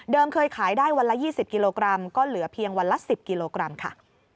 เคยขายได้วันละ๒๐กิโลกรัมก็เหลือเพียงวันละ๑๐กิโลกรัมค่ะ